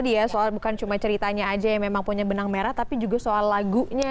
kalau dua controller yang rumah yang paling kmayen untuk watak lise atau etna